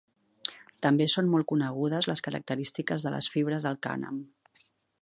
També són molt conegudes les característiques de les fibres del cànem.